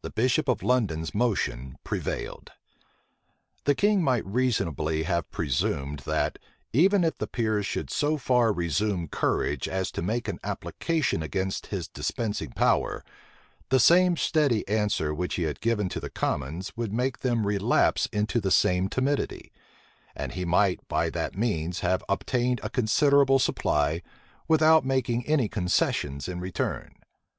The bishop of London's motion prevailed. The king might reasonably have presumed, that, even if the peers should so far resume courage as to make an application against his dispensing power, the same steady answer which he had given to the commons would make them relapse into the same timidity; and he might by that means have obtained a considerable supply, without making any concessions in return.